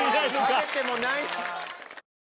食べてもないし。